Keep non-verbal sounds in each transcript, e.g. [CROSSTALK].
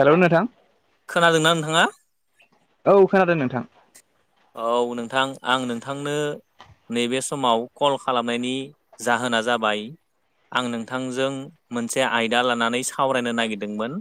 हेल' नोंथां खोनादोंना नोंथाङा? औ खोनादों नोंथां औ नोंथां आं नोंथांनो नैबे समाव कल खालामनायनि जाहोना जाबाय आं नोंथांजों मोनसे आयदा लानानै सावरायनो नागिरदोंमोन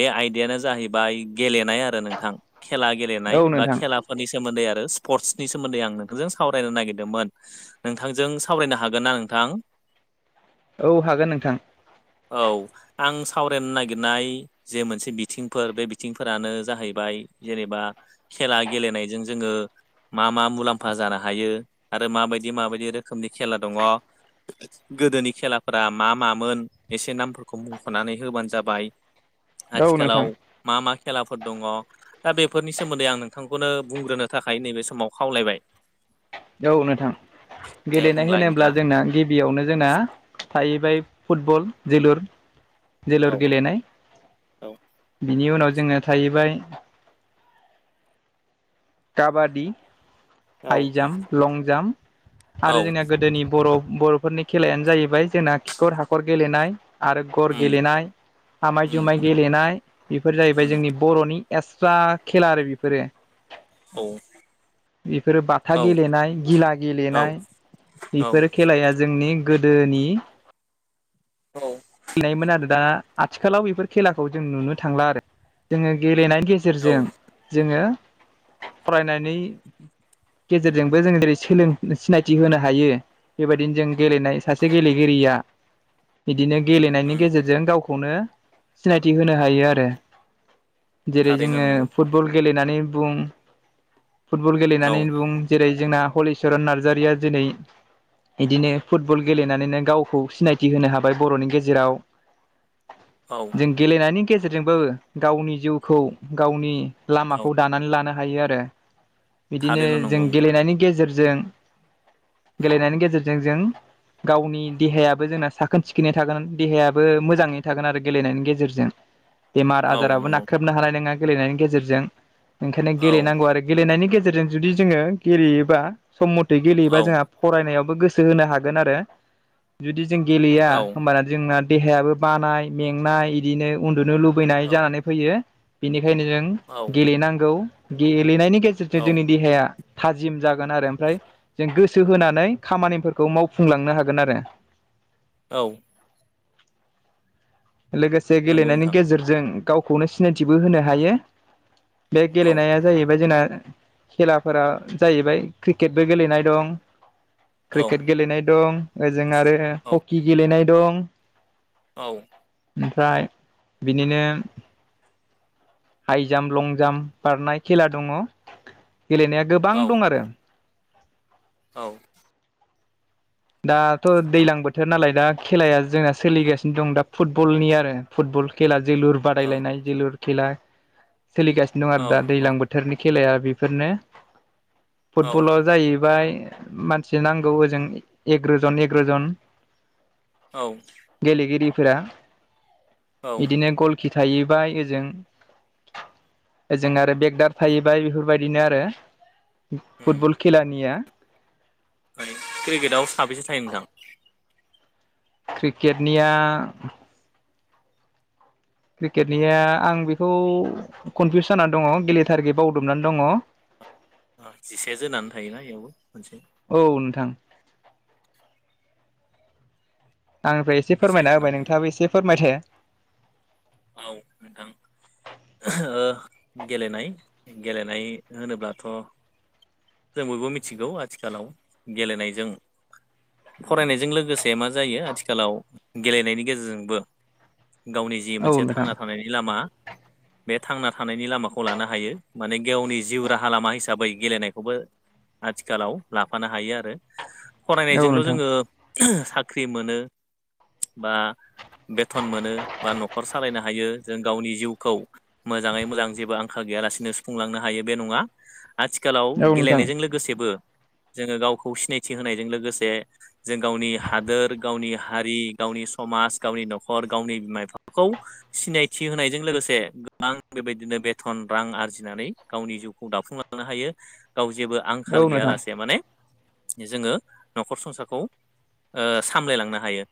बे आयदायानो जाहैबाय गेलेनाय आरो नोंथां खेला औ गेलेनाय बा नोंथां खेलाफोरनि सोमोन्दै आरो स्पर्ट्सनि सोमोन्दै आं नोंखौजों सावरायनो नागिरदोंमोन। नोंथांजों सावरायनो हागोन ना नोंथां? औ हागोन नोंथां। औ आं सावरायनो नागिरनाय जे मोनसे बिथिंफोर बे बिथिंफोरानो जाहैबाय जेनेबा खेला गेलेनायजों जोङो मा मा मुलाम्फा जानो हायो आरो माबायदि माबायदि रोखोमनि खेला दङ गोदोनि खेलाफोरा मा मामोन? एसे नामफोरखौ मुंख'नानै होबानो जाबाय। औ नोंथां आथिखालाव मा मा खेलाफोर दङ दा बेफोरनि सोमोन्दै आं नोंथांखौनो बुंग्रोनो थाखाय नैबे समाव खावलायबाय। औ नोंथां दे गेलेनाय बुंलाय होनोब्ला नोंथाङा जोंना गिबियावनो जोंना थाहैबाय फुटबल जोलुर जोलुर औ गेलेनाय। औ बिनि उनाव जोङो थाहैबाय काबादि, औ हाइ जामप, लं जाम औ आरो जोंनिना गोदोनि बर' बर'फोरनि खेलायानो जाहैबाय जोंना खिखर हाखर गेलेनाय। आरो ग'र उम गेलेनाय आमाय उम जुमाय गेलेनाय बेफोर जाहैबाय उम जोंनि बर'नि [UNINTELLIGIBLE] खेला आरो बेफोरो औ बिफोरो बाथा औ गेलेनाय गिला गेलेनाय औ खेलाया जोंनि गोदोनि औ गेलेनायमोन आरो दा आथिखालाव बेफोर खेलाखौ जों नुनो थांला आरो जोङो गेलेनायनि गेजेराव औ गेजेरजों जोङो फरायनायनि गेजेरजोंबो जों जेरै सोलों सिनायथि होनो हायो बेबायदिनो जों गेलेनाय औ सासे गेलेगिरिया बिदिनो गेलेनायनि उम गेजेरजों गाव खौनो सिनायथि होनो हायो आरो। जेरै थारैनो जोङो नंगौ फुट बल गेलेनानै बुं फुटबल औ गेलेनानै बुं जेरै जोंना हलिचरन नार्जारिया दिनै बिदिनो फुटबल गेलेनानैनो गावखौ सिनायथि होनो हाबाय बर'नि गेजेराव। औ जों गेलेनायनि गेजेरजोंबो गावनि जिउखौ गावनि औ लामाखौ दानानै लानो हा यो आरो। बिदिनो थारैनो जों नंगौ नोंथां गेलेनायनि गेजेरजों गेलेनायनि गेजेरजों जों गावनि देहायाबो जोंना साखोन सिखोनै थागोन देहायाबो मोजाङै थागोन आरो गेलेनायनि गेजेरजों। [INAUDIBLE] बेमार औ आजाराबो नंगौ नाख्रेबनो हानाय नङा गेलेनायनि गेजेरजों। ओंखायनो औ गेलेनांगौ आरो गेलेनायनि गेजेरजों जुदि जोङो गेलेयोबा सम मथे गेलेयोबा औ जोंहा फरायनायावबो गोसो होनो हागोन आरो जुदि जों गेलेया औ होमबाना जोंना देहायाबो बानाय मेंनाय इदिनो उन्दुनो लुबैनाय औ जानानै फैयो बिनिखायनो जों औ गेलेनांगौ गेलेनायनि गेजेरजों औ जोंनि देहाया थाजिम जागोन आरो ओमफ्राय जों गोसो होनानै खामानिफोरखौ मावफुंलांनो हागोन आरो। औ लोगोसे नंगौ गेलेनायनि नोंथां गेजेरजों गावखौनो सिनायथिबो होनो हायो। बे औ गेलेनाया जाहैबाय जोंना खेलाफोरा जाहैबाय क्रिकेटबो गेलेनाय दं औ क्रिकेट गेलेनाय दं। ओजों आरो औ हकि गेलेनाय दं। औ ओमफ्राय बिदिनो हायजाम लंजाम बारनाय खेला दङ गेलेनाया गोबां औ दं आरो। औ दाथ' दैलां बोथोर नालाय दा खेलाया जोंना सोलिगासिनो दं दा फुटबलनि आरो। फुटबल खेला जोलुर औ बादायलायनाय जोलुर खेला सोलिगासिनो दं आरो औ दा दैलां बो थोरनि खेलाया बेफोरनो फुटबलाव जाहैबाय मानसि नांगौ ओजों एगार'जन एगार'जन। औ गेलेगिरिफोरा औ इदिनो गलकि थाहैबाय ओजों। ओजों आरो [UNINTELLIGIBLE] थाहैबाय बेफोरबायदिनो आरो। उम फुटबल खेलानिया क्रिकेटाव साबेसे थायो नोंथां? क्रिकेटनिया क्रिकेटनिया आं बेखौ कनफ्युस जाना दङ [UNINTELLIGIBLE] [UNINTELLIGIBLE] जोनानै थायोना बेयावबो मोनसे। औ नोंथां। आंनिफ्राय एसे जिसे फोरमायना होबाय जोनानै थायो नोंथाङाबो एसे फोरमायदो। औ नोंथां। [UNINTELLIGIBLE] गेलेनाय गेलेनाय होनोब्लाथ' जों बयबो मिथिगौ आथिखालाव गेलेनायजों फरायनायजों लोगोसे मा जायो आथिखालाव गेलेनायनि गेजेरजोंबो गावनि जि औ मोनसे नोंथां थांना थानायनि लामा बे थांना थानायनि लामाखौ लानो हायो माने गावनि जिउ राहा लामा हिसाबै गेलेनाय खौबो आथिखालाव लाफानो हायो आरो औ फरायनायजोंल' नोंथां जोङो साख्रि मोनो बा बेथन मोनो बा न'खर सालायनो हायो जों गावनि जिउखौ मोजाङै मोजां जेबो आंखाल गैयालासिनो सुफुंलांनो हायो बे नङा आथिखालाव औ नोंथां गेलेनायजों लोगोसेबो जोङो गावखौ सिनायथि होनायजों लोगोसे जों गावनि हादोर, गावनि हारि, गावनि समाज, गावनि न'खर, गावनि बिमा बिफाखौ सिनायथि होनायजों लोगोसे गोबां बेबायदिनो बेथन रां आरजिनानै गावनि जिउखौ दाफुं लां नो हायो गाव जेबो आंखाल औ नोंथां गैयालासे माने जोङो नखर संसारखौ ओ सामलायलांनो हायो।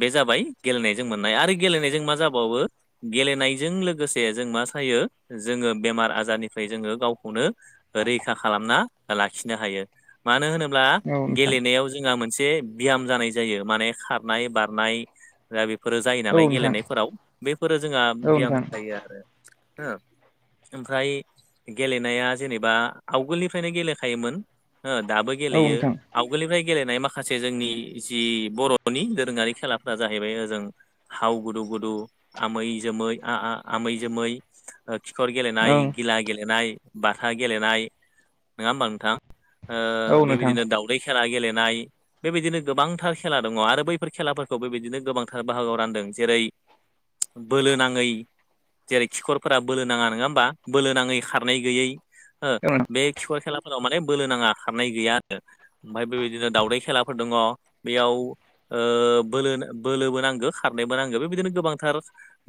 बे जाबाय गेलेनायजों मोननाय आरो गेलेनायजों मा जाबावो गेलेनायजों लोगोसे जों मा सायो जोङो बेमार आजारनिफ्राय जोङो गावखौनो रैखा खालामना लाखिनो हायो मानो होनोब्ला औ नोंथां गेलेनायाव जोंहा मोन मोनसे बियाम जानाय जायो माने खारनाय बारनाय दा बे फोरो जायो औ नालाय नोंथां गेलेनायफोराव बेफोरो जोंहा औ नोंथां औ बियाम नोंथां जायो आरो हो ओमफ्राय गेलेनाया जेनेबा आवगोलनिफ्रायनो गेलेखायोमोन हो दाबो गेलेयो। आवगोलनिफ्राय गेलेनाय माखासे जोंनि जि बर'नि दोरोङारि खेलाफ्रा जाहैबाय ओजों हाव गुदु गुदु आम जोमै आ-आ आमै जोमै ओ खिखर गेलेनाय ओं गिला गेलेनाय बाथा गेलेनाय नङा होमबा नोंथां हो औ नोंथां औ नोंथां बेबायदिनो दावदै खेला गेलेनाय बेबायदिनो गोबांथार खेला दङ आरो बेफोरखौ मेलाफोरखौ बेबायदिनो गोबांथार बाहागोआव रानदों जेरै बोलो नाङै जेरै खिखरफोरा बोलो नाङा नङा होमबा बोलो नाङै खारनै गैयै हो औ बे खिखर खेलाफोराव माने बोलो नाङा खारनाय गैया आरो। ओमफ्राय बेबायदिनो दावउदै खेलाफोर दङ बेयाव ओ बोलो बोलोबो नांगो खारनायबो नांगो बेबायदिनो गोबांथार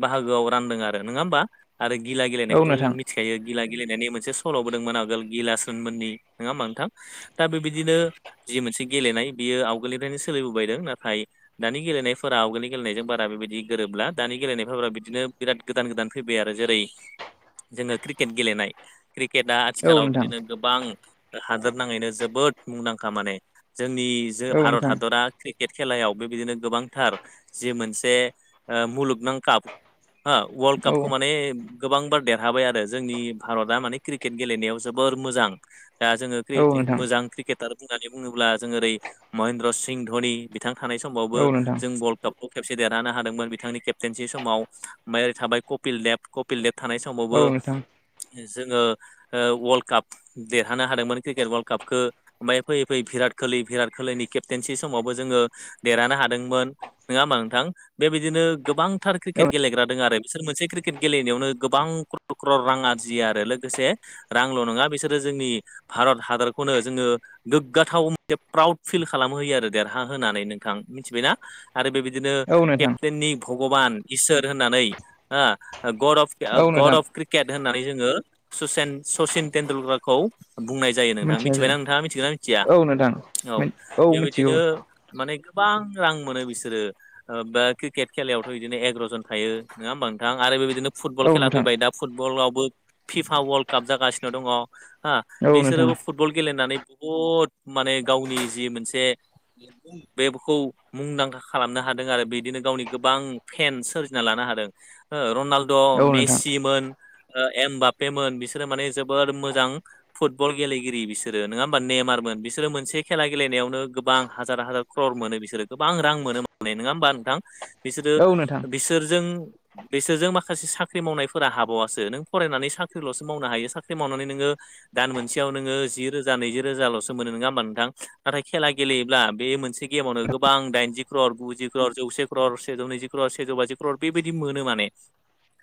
बाहागोआव रानदों आरो नोङा होमबा? आरो गिला नोंथां औ गेलेनायखौथ' जों नोंथां औ मिथिखायो गिला गेलेनायनि मोनसे सल'बोदोंमोन आगोल गिलासोनमोननि नङा होमा नोंथां दा बेबायदिनो जि मोनसे गेलेनाय बियो आवगोलनिनो सोलिबोबायदों नाथाय दानि गेलेनायफोरा आवगोलनि गेलेनायजों बारा बेबायदि गोरोबला दानि गेलेनायफोरफोरा बिदिनो बिराद गोदान गोदान फैबाय आरो जेरै जोङो क्रिकेट गेलेनाय क्रिकेट आ औ आथिखालाव नोंथां बिदिनो गोबां हादोरनाङैनो जोबोद मुंदांखा माने जोंनि जो भारत हादरा क्रिकेट खेलायाव बेबायदिनो गोबांथार जि मोनसे मुलुगनां काप हो वाल कापखौ माने गोबां बार देरहाबाय आरो जोंनि भारता माने क्रिकेट गेलेनायाव जोबोर मोजां दा जोङो मोजां क्रिकेट बुंनानै बुङोब्ला जों ओरै महेन्द्र सिं धनि बिथां थानाय समावबो औ नोंथां जों बल खौ खबसे देरहानो हादोंमोन बिथांनि केप्टेनसि समाव ओमफ्राय ओरै थाय कपिल देब कपिल देब थानाय समाव औ नोंथां समावबो जोङो ओ वर्ल्ड काप देरहानो हादोंमोन क्रिकेट ववर्ल्ड कापखो ओमफफ्राय फैयैयै बिराट कलि भिराट कलिनि केप्टेनसि समावबो जोङो देरहानो हादोंमोन। नङा होमा नोंथां बेबायदिनो गोबांथार क्रिकेट औ गेलेग्राादों आरो बिसोर मोनसे क्रिकेट क्रिकेट गेलेनायावनो गोबां क्रर क्रर रां आरजिया आरो लोगोसे रांल' नङा बिसोरो जोंनि भारत हादरखौनो जोङो गोग्गाथाव मोनसे प्राउड फिल खालाम होयो आरो देरहा होनानै नोंथां मिथिबायना आरो बेबायदिनो औ नोंथां केप्टेननि भगबान इसोर होननानै हो गरब औ गड नोंथां अफ क्रिकेट होननानै जोङो सचेन सचिन टेेनन्दुलकारखौ बुंनाय जायो नोंथां मिथिनाय जायो मिथिबायना नोंथाङा मिथिगौ ना मिथिया औ नोंथां औ औ मिथिगौ बेबायदिनो माने गोबां रां मोनो बिसोरो बा क्रिकेट खेलायावथ' बिदिनो एगार'जन थायो नोङा होमबा नोंथां आरो बेबायदिनो फुटबल औ खेला नोंथां फैबाय दा फुटबलावबो फिफा वाल्ड काप जागासिनो दङ हो औ नोंथां बेसोरोबो फुटबल गेलेनानै बहुद माने गावनि जि मोनसे बेबखौ मुंदांखा खालामनो हादों आरो बिदिनो गावनि गोबां फेनस सोरजिना लानो हादों। हो रनालद' औ नोंथां मेसिमोन ओ एम बापेमोन बिसोर बिसोर माने जोबोर मोजां फुटबल गेलेगिरि बिसोरो नङा होमबा नेमारमोन बिसोरो मोनसे खेला गेलेनायावनो गोबां हाजार हाजार क्रर मोनो बिसोरो गोबां रां मोनो माले नङा होमबा नोंथां बिसोरो औ नोंथां बिसोरजों बिसोरजों माखासे साख्रि मावनायफोरा हाबावासो नों फरायनानै साख्रिल'सो मावनो हायो साख्रि मावनानै नोङो दान मोनसेयाव नोङो जि रोजा नैजि रोजाल'सो मोनो नङा होमबा नोंथां नाथाय खेला गेलेयोब्ला बे मोनसे गेमावनो गोबां दाइनजि क्रर गुजि क्र' जौसे क्रर सेजौ नैजि क्रर सेजौ बाजि क्रर बेबायदि मोनो माने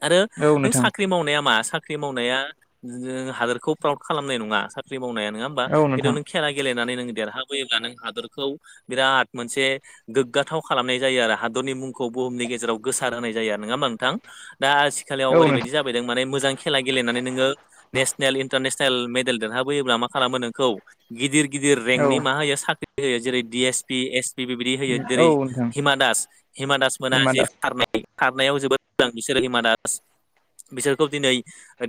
आरो औ नों नोंथां साख्रि मावनाया मा? साख्रि मावनाया जों हादोरखौ फ्राउद खालामनाय नङा साख्रि मावनाया नङा होमबा। औ नोंथां खिनथु खेला गेलेनानै नों देरहाबोयोब्ला नों हादरखौ बिराद मोनसे गोग्गाथाव खालामनाय जायो आरो हादरनि मुंखौ बुहुमनि गेजेराव गोसार होनाय जायो आरो नङाोमा नोंथां। दा आथिखालियाव औ नोंथां ओरैबायदि जाबायदों माने मोजां खेला गेलेनानै नोङो नेसनेल इन्टारनेसनेल मेडेल देरहाबोयोब्ला मा खालामो नोंखौ गिदिर गिदिर रेंकनि औ मा होयो साख्रि होयो। जेरै- D S P, S B बे बायदि होयो। औ जेरै- नोंथां हिमा दास हिमा दास मोना हिमा जि दास खारनाय खारनायाव जोबोद मोजां बिसोरो हिमा दास बिसोरखौ दिनै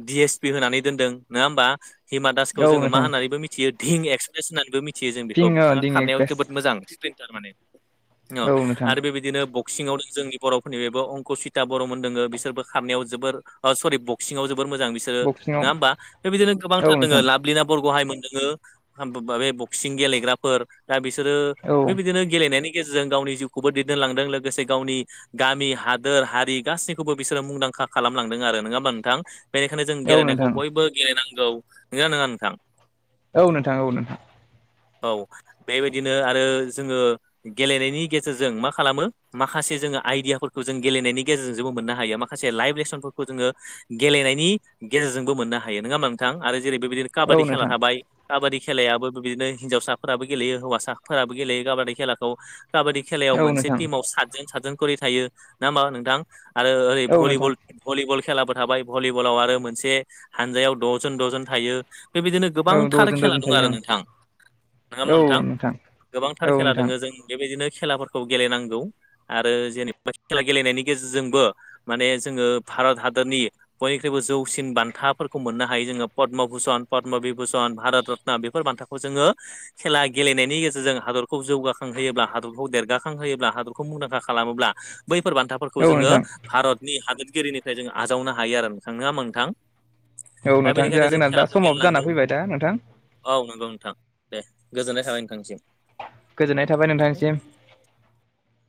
बि एस पि होनानै दोनदों नङा होमबा। हिमा दासखौ औ जोङो मा नोंथां होननानैबो मिथियो दिहिं एक्सप्रेस होननानैबो मिथि मिथियो जों बिखौ। पिं बिथाङा दिं खारनायाव एक्ट्रेस जोबोद मोजां स्टार माने औ आरो बे बायदिनो सिङाव जोंनि बर'फोरनि बेबो अंकसिता बर'मोन दोङो बिसोरबो खारनायाव जोबोर सरि ब सिङाव जोबोर मोजां बिसोरो बक्सिंआव नङा होमबा बे बायदिनो गोबांथार औ दङ नोंथां लाभलिना बरग'हाय मोन दङो। बे बक्सिं गेलेग्राफोर दा बिसोरो औ बेबायदिनो गेलेनायनि गेजेरजों गावनि जिउखौबो दैदेनलांदों। लोगोसे गावनि गामि, हादोर, हारि गासैखौबो बिसोरो मुंदांखा खालामलांदों आरो नङा होनबा नोंथां। बेनिखायनो जों औ गेलेनायखौ नोंथां बयबो गेलेनांगौ नजा नङा नोंथां। औ नोंथां औ नोंथां। औ बे बायदिनो आरो जोङो। गेलेनायनि गेजेरजों मा खालामो। माखासे जोङो आइदियाफोरखौ जों गेलेनायनि गेजेरजों जेबो मोननो हायो। माखासे माखासे लाइभ लेसनफोरखौ जोङो गेलेनायनि गेजेरजोंबो मोननो हायो नोङा होमबा नोंथां आरो जेरै बे बायदिनो काबादि औ खेला नोंथां थाबाय। काबादि खेलायाबो बिदिनो हिन्जावसाफोराबो गेलेयो हौवासाफोराबो गेलेयो काबादि खेलाखौ काबादि खेलायाव औ मोनसे नोंथां टिमाव सातजन सातजन खरि थायो नङा होमबा नोंथां। आरो ओरै औ नोंथां भलिबल-भलिबल खेलाबो थाबाय भलिबलाव आरो मोनसे हानजायाव द'जन द'जन थायो। बे बायदिनो औ गोबांथार द'जोन खेला द'जोन दङ आरो थायो नोंथां नङा होनबा नोंथां गोबांथार औ खेला नोंथां दङो। जों बे बायदिनो खेलाफोरखौ गेलेनांगौ आरो जेनेबा खेला गेलेनायनि गेजेरजोंबो माने जोङो भारत हादरनि बयनिख्रुइबो जौ सिन बान्थाफोरखौ मोननो हायो जोङो पदम भुसन पद्म बिभुसन भारत रत्न बेफोर बान्थाखौ जोङो खेला गेलेनायनि गेजेरजों हादरखौ जौगाखांहोयोब्ला हादरखौ देरगाखांहोयोब्ला हादरखौ मुंदांखा खालामोब्ला बैफोर बान्था फोरखौ औ जोङो नोंथां औ नोंथां भारतनि हादोरगिरिनिफ्राय जोङो आजावनो हायो आरो नोंथां नङा नोंथां। दा बेनिखायनो जोंहा जों जोंना दा खेलाखौ समावबो जाना गेलेनांगौ। फैबाय दा नोंथां औ नोंगौ नोंथां दे गोजोननाय थाबाय नोंथांनिसिम। गोजोननाय थाबाय नोंथांनिसिम।